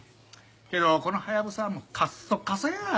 けどこのハヤブサはもう過っ疎過疎や。